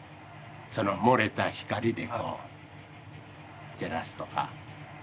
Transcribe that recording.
その漏れた光でこう照らすとか。